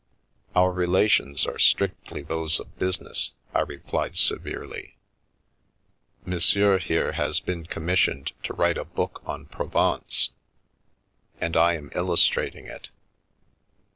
" Our relations are strictly those of business," I re plied severely. " Monsieur here has been commissioned to write a book on Provence, and I am illustrating it.